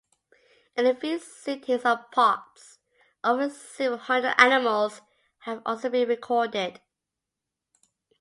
In a few sitings of pods, over several hundred animals have also been recorded.